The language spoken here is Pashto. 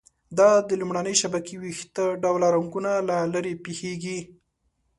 دا د لومړنۍ شبکې ویښته ډوله رګونو له لارې پېښېږي.